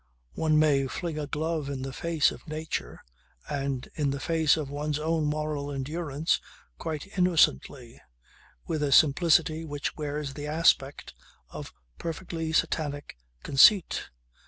One may fling a glove in the face of nature and in the face of one's own moral endurance quite innocently, with a simplicity which wears the aspect of perfectly Satanic conceit.